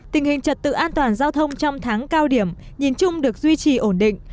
tình hình trật tự an toàn giao thông trong tháng cao điểm nhìn chung được duy trì ổn định